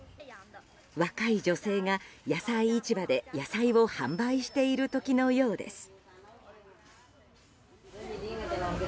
若い女性が野菜市場で、野菜を販売している時のようです。